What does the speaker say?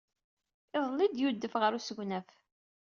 Iḍelli ay yudef ɣer usegnaf.